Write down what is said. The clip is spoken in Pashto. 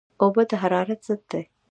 اوبه د حرارت ضد دي